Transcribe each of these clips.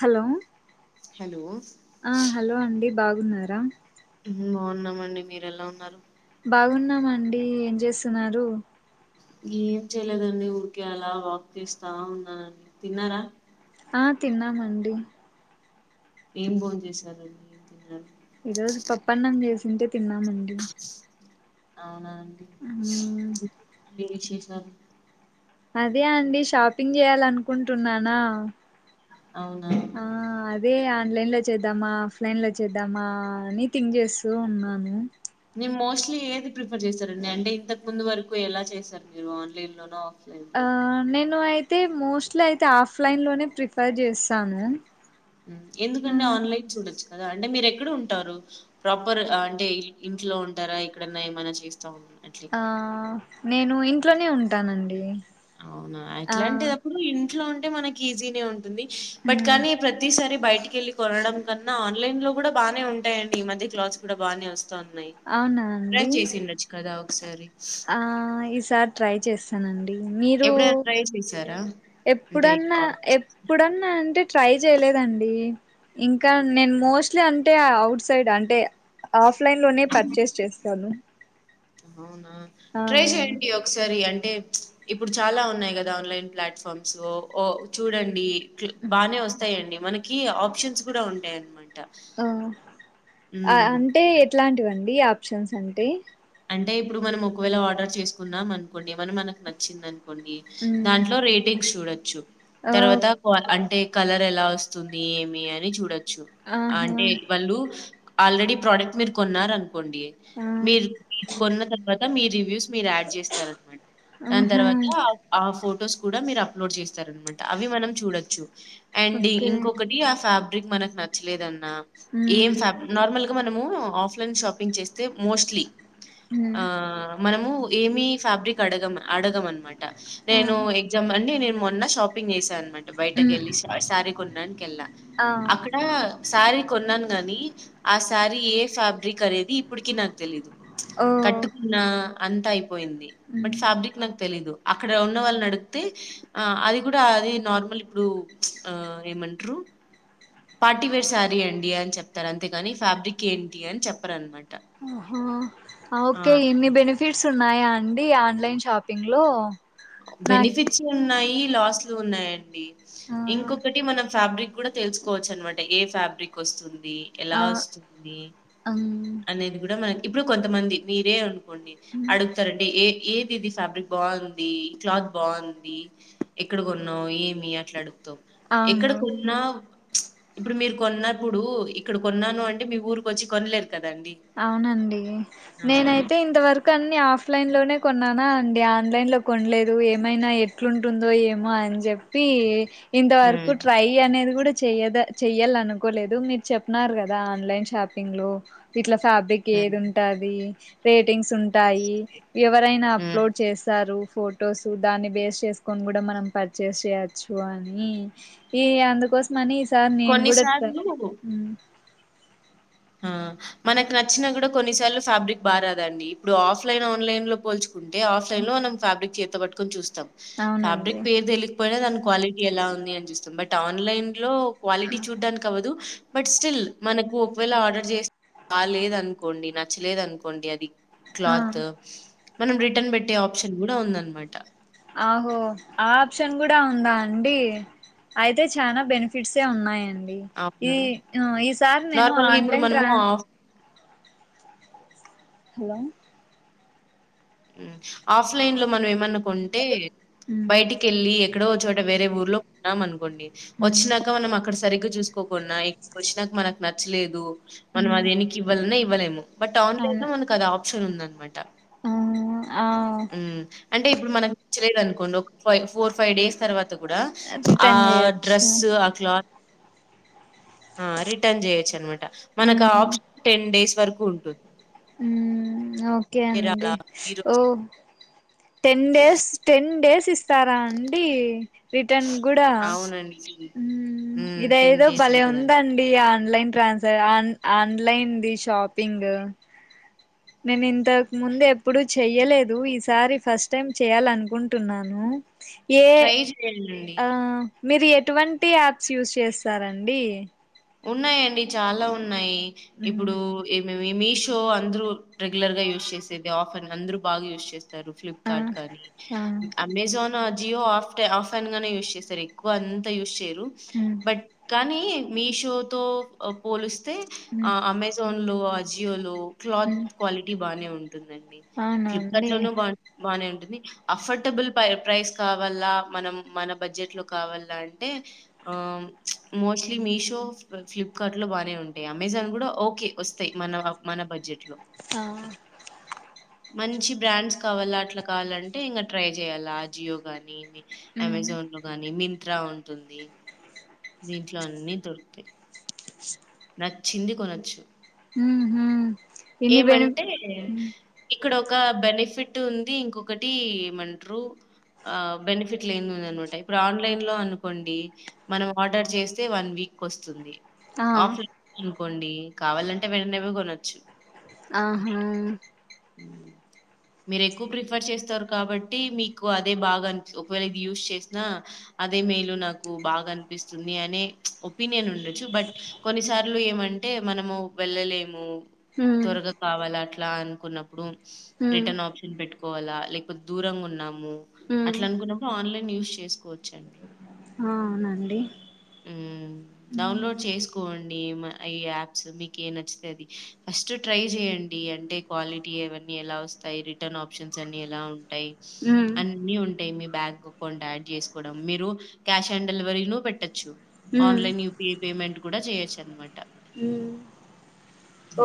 Hello hello ఆ hello అండి బాగున్నారా బాగున్నామండి మీర ఎలా ఉన్నారు బాగున్నామండి ఏం చేస్తున్నారు ఏం చేయలేదండి ఊరికే అలా వాక్ చేస్తా ఉన్నానండి తిన్నారా ఆ తిన్నామండి ఏం బొంచేశారు ఏం తిన్నారు ఈ రోజు పప్పన్నం చేసింటే తిన్నామండి అవునా మ్మ్ విశేషం ఉమ్ అదే అండి షాపింగ్ చేయాలనుకుంటున్నానా అవునా ఆ అదే ఆన్లైన్ లో చేద్దామా ఆఫ్లైన్ లో చేద్దామా అని థింగ్ చేస్తూ ఉన్నాను నీ మోస్ట్లీ ఏది ప్రిఫర్ చేస్తారండి అంటే ఇంతకు ముందు వరకు ఎలా చేశారు మీరు ఆన్లైన్ లోన ఆఫ్ ఆ నేను అయి తే మోస్ట్లీ అయితే ఆఫ్లైన్ లోనే ప్రిఫర్ చేస్తాను ఉం ఎందుకండి మ్మ్ ఆన్లైన్ చూడొచ్చు కదా అండి మీరు ఎక్కడ ఉంటారు ప్రాపర్ అంటే ఇంట్లో ఉంటారా ఎక్కడన్నా ఏమైనా చేస్తా ఉన్నారా అట్లా ఆ నేను ఇంట్లోనే ఉంటా ఉంట్టానండి అవునా! ఆ అట్లాంటిదప్పుడు ఇంట్లో ఉంటే మనకి ఈజీనే ఉంటుంది ఆ బట్ కానీ ప్రతి సారి బయటికి ఎల్లి కొనడం కన్నా ఆన్లైన్ లో కూడా బానే ఉంటాయండి ఈ మధ్య క్లాత్స్ కూడా బానే వస్ తున్నాయి అవునా ట్రై అండి చేసిండచ్చు కదా సరే ఆ ఈసారి ట్రై చేస్తానండి మీరు ఎప్పుడైనా ట్రై చేశారా? అంటే ఎప్పుడన్నా ఆర్డర్ చేసి ఎప్పుడన్నా అంటే ట్రై చేయలేదండి ఇంకా నేను మోస్ట్లీ అంటే అఔట్ సైడ్ అంటే ఆఫ్ ఆఫ్లైన్లోనే పర్చేస్ చేస్తాను అవును ఆ ట్రై చెయండి ఒకసారి అంటే అంటే ఇప్పుడు చాలా ఉన్నాయి కదా ఆన్లైన్ ప్లాట్ఫామ్స్ ఓ చూడండి బాగానే వస్తాయండి మనకి ఆప్షన్స్ కూడా ఉంటాయి అన్నమాట ఆ అంటే ఎట్లాంటి ఇవండి ఆప్షన్స్ అంటే అంటే ఇప్పుడు మనం ఒకవేళ ఆర్డర్ చేసుకున్నాం అనుకోండి ఏమైనా మనకు నచ్చిందనుకో డి మ్మ్ దాంట్లో రేటింగ్స్ చుడోచ్చు ఆ తర్వాత కో అంటే కలర్ ఎలా వస్తుంది ఏమి అని చూడచ్చు చు ఆహా అంటే వాళ్ళు ఆల్రెడీ ప్రోడక్ట్ మీరు కొన్నారని కొండే ఆ మీరు ఇ కొన్న తర్వాత మీ రివ్యూస్ మీరు యాడ్ అన్నమాట దాని ఆహా తర్వాత ఆ ఫుడ్ ఫొటోస్ కూడా మీరు అప్లోడ్ చేస్తారనమాట అవి మనం చూడొచ్చు అండి ఓకే ఇంకొకటి అస్సాం అకి మనకు నచ్చలేదుదండి ఆ ఈ మ్మ్ సబ్ నార్మల్ మనము ఆఫ్లైన్ షాపింగ్ చేస్తే మోస్ట్లీ మ్మ్ ఆ మనము ఏమి ఫ్యాబ్రిక్ అడగ అడగ అనమాట ఆ నేను ఎగ్జామ్ అండి నేను మొన్న షాపింగ్ చేసన్నమాట మ్మ్ బయటకెళ్ళి సారీ కొన్నానికిళ్ళా ఆ అక్కడ సారీ కొన్నాను అని ఆ సారీ ఏ ఫాబ్రిక్ అనేది ఇప్పటికి నాకు తెలీదు ఓ కట్కున్నా అంతాయి పోయింది మ్మ్ బట్ ఫాబ్రిక్ నాకు తెలీదు అక్కడ ఉన్న వాళ్ళు అడిగితే ఆ అది కూడా అది నార్మల్ ఇప్పుడు ఏమంటారు పార్టీవేర్ శారీ అండి అని చెప్తారు అంతేకాని ఫ్యాబ్రిక్ ఏంటి అని చెప్పారు అనమాట ఆహో ఓకే ఎన్ని బెనిఫిట్స్ ఉన్నాయా అండి ఆన్లైన్ షాపింగ్ లో నాకు బెనిఫిట్స్ ఉన్నాయి న్ని లాస్లు ఉన్నాయండి ఆ ఇంకొకటి మనం ఫాబ్రిక్ కూడా తెలుసుకోవచ్చు అనమాట ఏ ఫ్యాబ్రిక్ వస్తుంది ఎలా ఆ వస్తుంది అనేది కూడా మనకి ఇప్పుడు కొంతమంది మీరే అ ండి అడుగుతారండి ఏ ఏ ఇది ఫ్యాబ్రిక్ బాగుంది క్లాత్ బాగుంది ఎక్కడ కొన్నావు ఏమి అట్లా అడు తో ఎక్కడ అవును కొన్నావ్ ఇప్పుడు మీరు కొన్నప్పుడు ఇక్కడ కొన్నాను అంటే మీ ఊరికు వచ్చి కొనలేర్ అవునండి అవును. నేనైతే ఇంతవరకు అన్ని ఆఫ్ ఫ్లైన్లోనే కొన్నానా అండి ఆన్లైన్లో కొనలేదు ఏమైనా ఎట్లుంటుందో ఏమో అని చెప్పి హ్మ్. ఇంతవరకు ట్రై అనేది కూడా చెయద చెయ్యాలనుకోలేదు మీరు చెప్పన్నారు కదా ఆన్లైన్ షాపింగ్లు ఇట్లా ఫాబ్రిక్ హ్మ్. ఏది ఉంటది రేటింగ్స్ ఉంటాయి ఎవరైనా హ్మ్. అప్లోడ్ చేస్తారు ఫొటోస్ దాన్ని బేస్ చేసుకొని కూడా మనం పర్చేస్ చేయచ్చు అని ఈ అందుకోసమని సార్ నేను కొన్ని కూడా ట్రై సార్లు హు ఆ మనకు నచ్చినా కూడా కొన్నిసార్లు ఫ్యాబ్రిక్ బా రాదండి ఇప్పుడు ఆఫ్లైన్ ఆన్లైన్ లో పోల్చు ఉంటే ఆ్లైన్ లో మనం ఫ్యాబ్రిక్ చేప్ పట్కొని చూస్ అవునండి ఫ్యాబ్రిక్ పేరు తెలియకపోయినా దానిక క్వాలిటీ ఎలా ఉంది అని చూస్తాం బట్ ఆన్లైన్ లో క్వాలిటీ చూడ్డానికి కవదు బట్ స్టిల్ మనకు ఒ కవేళ ఆర్డర్ చేస్తే బాలేదనుకోండి నచ్చలేదనుకోండి అది ఆ క్లాత్ మనం రిటర్న్ పెట్టే ఆప్షన్ కూడా ఉందన్నమాట ఆహో ఆ ఆప్షన్ గూడా ఉందా అండి అయితే చానా బెనిఫిట్సే ఉన్నాయం డి ఈ అవును. ఆ ఈ సారి నేను నార్మల్‌గా ఇప్పుడు ఆన్లైన్ మనము ట్రాన్ ఆఫ్ హలో హ్మ్ ఆఫ్లైన్ లో మనం ఏమన్న కొంటే ఉమ్ బయటికెళ్ళి ఎ ఎక్కడో ఓ చోట వేరే ఊర్లో ఉన్నామన్ కోండి ఉమ్ వచ్చినాక మనం అక్కడ సరి గ చూసుకోకున్న ఇక్కడికి వచ్చినాక మనకు నచ్చలేదు మనం ఉమ్ అది ఎనక్కివ్వాలన్న ఇవ్ వ్వలేము బట్ అవును ఆన్లేను మన కదా ఆ ప్ ప్షన్ ఉందన్నమాట ఆ ఆ ఉం అం అంటే ఇప్పుడు మనకు నచ్చలేదు అనుకోండి ఒక ఫై ఫోర్ ఫైవ్ డేస్ తర్వాత తకూడా ఆ రిటర్న్ చేయొచ్చు డ్రెస్సు ఆ క్లాత్ ఆ రిటర్న్ చేయచ్చన్నమా ట మనకు ఆ ఆప్షటెన్ డేస్ వరకు ఉంటుంది హ్మ్ ఓకే మీరు అండి అలా ఓ ఈరోజు టెన్ డేస్ టెన్ డేస్ ఇస్తారా అండి రిటర్న్ గూడా అవునండి హ్మ్ మ్ టెన్ ఇదైదో డేస్ భలే ఉంటదండి ఉందండి ఆ ఆన్లైన్ ట్రాన్సా ఆ ఆన్లైన్ది షాపింగ్ నేను ఇంతకు ముందు ఎప్పుడు చెయ్యలేదు ఈసారి ఫస్ట్ టైం చెయ్యాలనుకుంటున్నాను ట్రై చేయండి అండి మీరు ఎటువంటి యాప్స్ యూస్ చేస్తారండి ఉన్నాయండి చాలా ఉన్ ఉన్నాయి ఇప్పుడు మ్ ఏ మే మీషో అందరూ రెగ్యులర్గ యూజ్ చేసేది ఆఫ్ర్న్ అందరూ బాగా యూజ్ చేస్త రు ఆ ఫ్లిప్కార్ట్ కానీ ఆ అమేజాన్ జియో అఫ్టె ఆఫెన్ గానే యూస్ చేస్తరు ఎక్కువ అంత యూస్ చేయరు మ్ రు బట్ కానీ మీష్ తో పోలీస్ స్తే మ్ అమెజాన్ లో అజియోలో క్లాత్ మ్ క్వాలిటి బాగనే ఉంటుందండి అవునా ఫ్లిప్కార్ట్ అండి లోనూ బా బాగనే ఉంటుంది అఫర్డబుల్ ప్రై ప్రైస్ కావాల మనం మన బడ్జెట్ లో కావాల అంటే ఆ మోస్ట్లీ మీషో ఫ్లిప్కార్ట్ లో బాగనే ఉంటయి అమెజాన్ కూడ ఓకే వస్తయి మన మన బడ్జెట్ లో ఆ మంచి బ్రాండ్స్ కావాల అట్ల కావాలంటే ఇంగ ట్రై చేయ్యాలా జియో గానీ అమెజాన్ లొ గానీ మిన్ మింత్రా ఉంటుందీ దీంట్లో అన్నీ దొరుకుతయి నచ్చింది కొనొచ్చు ఉ హు ఏమంటే ఇక్కడ ఒక బెనిఫిట్ ఉంది ఇంకొకటి ఏమంటారు ఆ బెనిఫిట్ లేని ఉంది అనమాట ఇప్పుడు ఆన్లైన్ లో అనుకోండి మనం ఆర్డర్ చేస్తే వన్ వీక్ వస్తుంది ఆ ఆఫ కోండి కావాలంటే వెంటనేవ కొనొచ్చు ఆహా మీరు ఎక్కువ ప్రిఫర్ చేస్తారు కాబట్టి మీకు అదే బాగా అనిపి ఒకవేళ ఇది యూస్ చేసినా అదే మేలు నాకు బాగా అనిపిస్తుంది అనే ఒపీనియన్ ఉండొచ్చు బట్ కొన్నిసార్లు ఏమంటే మనము వెళ్ళలేము ఉమ్ త్వరగా కావాల అట్లా అనుకున్నడు ఉమ్ రిటషన్ పెట్టుకోవాలా లేకపోతే దూరంగా ఉన్నా ఉమ్ అట్లా అనుకున్నప్పుడు ఆన్లైన్ యూస్ చేసుకోవచ్చ అవునండి ఉమ్ డౌన్లోడ్ చేసుకోండి యాప్స్ మీకు ఏ నచ్చి అ ఫస్ట్ ట్రై చేడి అంటేాలి వన్నీ ఎలా వస్తాయి రిటర్న్ ఆప్షన్స్ అన్ని ఎలా ఉ ఉంటాయి ఉమ్ అన్నిీ ఉంటాయి మీ బ్యాంక్ అకౌంట్ యాడ్ చేసుకోవడం మీరు క్యాష్ ఆన్ డెలివరీ ను పెట్టొచ్చు ఉమ్ న్లాైన్ యూపిఐ పేమెంట్ కూడాడ చేయొచ్చన్నమాట ఉమ్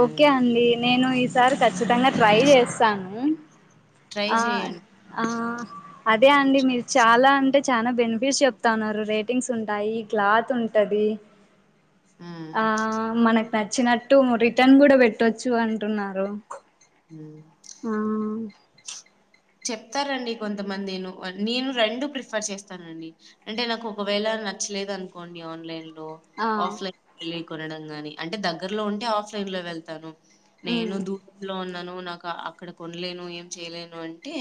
ఓకే అండి నేను ఈసారి ఖచ్చితంగా ట్రై చేస్తాను ట్రై ఆ చేయండి. ఆ అదే అండి మీరు చాలా అంటే చాలా బెనిఫిట్స్ చెప్తా ఉన్నారు రేటింగ్స్ ఉంటాయి క్లాత్ ఉంటుంది ఆ మనకు నచ్చినట్టు మురి రిటన్ కూడా పెట్టొచ్చు అంటున్నారు హ్మ్. ఆ చెప్తారండి కొంతమంది నే నేను రెండు ప్రిఫర్ చేస్తానండి అంటే నాకు ఒకవేళ నచ్చలేదు అనుకోండి ఆన్లైన్ లో ఆ ఆఫ్లైన్ లో కొనడం గాని అంటే దగ్గరలో ఉంటే ఆఫ్లైన్ లో వెళ్తాను నేను ఉమ్ దూ ఉన్నాను నాకు అక్కడ కొనలేను ఏం చేయలేను అంటే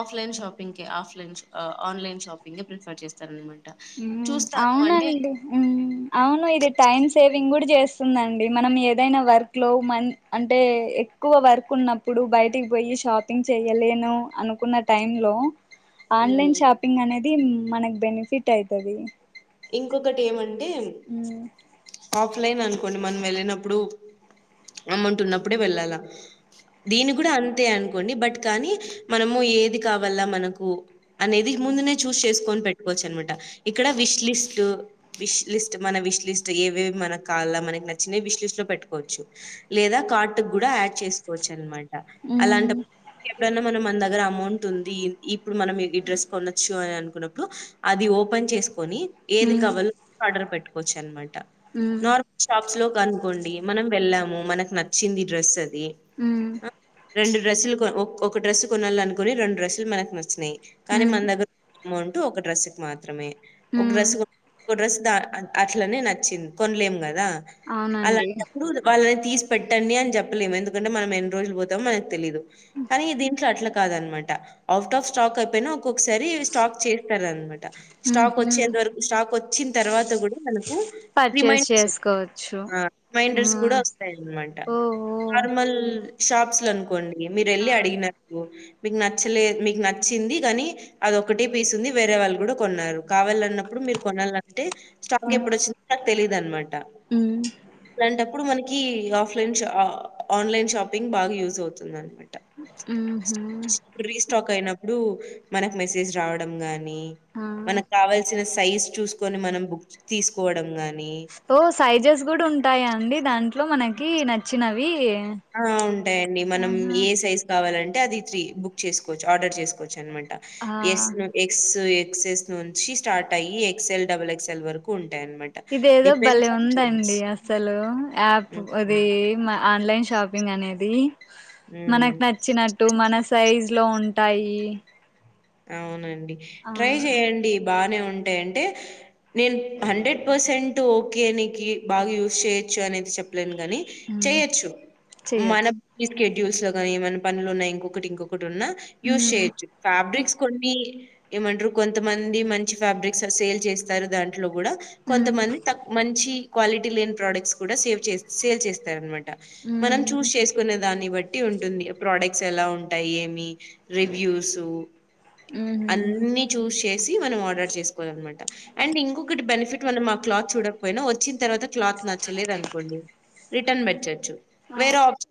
ఆఫ్లైన్ షాపింగ్ కె ఆఫ్లైన్ ఆన్లైన్ షాపింగ్ కె ప్రిఫర్ చేస్తానన్నమాట ఉ అవునండి ఉ అవును ఇది టైమ్ సేవ్ పింగ్ కూడా చేస్తుందండి మనం ఏదైనా వర్క్ లో మ అంటే ఎక్కువ వర్క్ ఉన్నప్పుడు బయటికి పోయి షాపింగ్ చెయలేను అనుకున్న టైం లో ఆన్లైన్ హ్మ్. షాపింగ్ అనేది మనకి బెనిఫిట్ టే అయితది ఇంకొకటి ఏమన్ ఈ ఉమ్ ఆఫలైన్ అన్ మనం వెళ్ళినప్పుడు అమౌంట్ ఉన్నప్పుడే మనం మనం మనం వెళ్ళినప్పుడు రమ్మంటున్నప్పుడే వెళ్ళాలా దీని కూడా అంతే అనుకోండి బట్ కానీ మనము ఏది కావాల మనకు అనేది ముందునే చూస్ చేసుకని పెట్టుకోవచ్చు అనమాట ఇక్కడ విష్ లిస్ట్ విష్ లిస్ట్ మన విష్ లిస్ట్ ఏవేవి మన మనకి నచ్చవి విష్ లిస్ట్ లో పెట్టుకోవచ్చు లేదా కా కూడా ఆడ్ చేసుకోవచ్చన్నమాట ఉమ్ అమౌంట్ ఉంది ఇప్పుడు మనం ఈ డ్రెస్ కొనొచ్చు అని అనుకున్నప్పుడు అది ఓపెన్ చేసుకొని ఏది ఉమ్ కావాలో ఆర్డర్ పెట్టు వోచ్ అన్మాట ఉమ్ నార్మల్ శాప్స్ లో అనుకోండి మనం వెళ్ళాము మనకు నచ్చింది డ్రెస్ ది ఉమ్ ఆ రెండు డ్రస్లు కొ ఒక డ్రస్ కొనాలనినుకుని రెండు డ్రస్లు మనకు నచ్చినయి కానీ ఉమ్ మన దగ్గర అమౌంట్ ఒక డ్రెస్కి మాత్రమే ఒక ఉమ్ డ్రెస్ కోన్ ఒ డ్రస్ దా అట్లనే నచ్చింది కొనలేం క దా అవునండి అలాంటప్పుడు వాళ్ళ తీసి పెట్టండి అని చెప్పలేము ఎందుకంటే మనం ఎన్ని రోజులు పోతామో మనకు తెలీదు కానీ దీంట్లో అట్ల కా కాదనమాట ఔట్ ఆఫ్ స్టాక్ అయిపోయిన ఒకసారి స్టాక్ చేస్తారనమాట స్టా క్ ఉహు వచ్చే అంతవరకు స్టాక్ వచ్చిన తర్వాత కూడా మనకు పర్చేస్ రిమైండ్స్ చేసుకోవచ్చు రిమైండర్స్ ఉమ్ కూడా వస్తాయన్నమాట ఓ ఓ ఫార్మల్ షాప్స్ స్లనుకోండి ఇగ మీరు ఆ వెళ్ళి అడిగిన రు మీక్ నచ్చలేదు మీక్ నచ్చింది గనీ అదోక్కటే పీస్ ఉంది వేరే వాళ్ళు కూడ కొన్నారు కావలన్నప్పుడు మీరు కొనాలంటే స్టాక్ ఉమ్ ఎప్పుడు వచ్చుంటా తెలిద అన్నమాట్ డ ఉమ్ అట్లాంటప్పుడు మనక్ కీ ఆఫ్లైన్ షా ఆన్లైన్ షాపింగ్ బాగా యూజ్ అవుతుంది అనమాట్ మ్మ్ హ్మ్ ప్పుడు మనకు మెసేజ్ రావడం గాని నీ ఆ మనక్ కావల్సిన సైజ్ చూసుకొని మనం బుక్ తీసుకోవడం గని ఓ సైజెస్ కూడు ఉంటాయా అండి దాంట్లో మనక్ కీ నచ్చినవీ ఆ ఉంటాయండి మనం ఏ సైజ్ కావాలం టే అదిత్రి బుక్ చేసుకోచ్చు ఆర్డర్ చేసుకోవచ్చన్నమాట్ టా ఆ ఎస్ ను ఎగ్స్ ఏ ఎక్సెస్ నుంచి స్టార్ట్ అయ్యి ఎక్సల్ డబుల్ ఎక్సల్ వరకు ఉన్ ఇదెదో బలే ఉందండి అసలు యాప్ హ్మ్. అది హ్మ్. మా ఆన్లైన్ షాపింగ్ అనేది హ్మ్. మనకు నచ్చినట్టు మన సైజ్ ఇంట్లో లో ఉంటాయి అవునండి ఆ ట్రై చేయండి బానే ఉంటయి అంటే నేను హండ్రెడ్ పర్సెంట్ ఓకే నీకి బాగా యూస్ చేయొచ్చు అనేది చెప్పలేను కని ఉమ్ చేయొచ్చు చేయొచ్చు మనం తీస్క చూసా కాని ఏమన్న పనులునయి ఇంకొకటి ఇంకో ఇప్పుడు ఉన్న యూజ్ ఉమ్ చేయొచ్చు ఫాబ్రిక్స్ కీ ఏమంటరు కొంతమంది మంచి ఫాబ్రిక్స్ సేల్ చేస్తారు దాంట్ ట్లో లో కూడ ఉమ్ కొంతమంది త మంచి క్వాలిటీ లేని ప్రొడక్ట్స్ కూడా సేవ్ చేసే సేల్ చేస్తారనమాట మనం ఉమ్ చూజ్ చేసుకున్న దాన్ని బట్టి ఉంటుంది ప్రోడక్ట్స్ ఎలా ఉంటాయి ఏమి రివ్యూస్ ఉహు అన్నీ చూసి సి మనం ఆర్డర్ చేసుకోాలనమా అండ్ ఇంకొకటి బెనిిట్ మనం ఆ క్లాత్ చూడకపోయినా వచ్చిన తర్వాత క్లాత్ నచ్చలే అనుకోండి రిటర్న్ పెట్టచ్చు వేరే ఆప్షన్